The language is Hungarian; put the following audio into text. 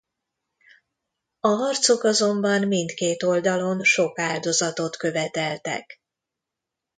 A harcok azonban mindkét oldalon sok áldozatot követeltek.